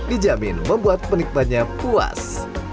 dijamin membuat penikmatnya puas